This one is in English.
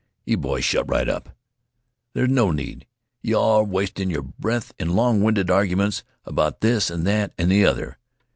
"You boys shut right up! There no need 'a your wastin' your breath in long winded arguments about this an' that an' th' other.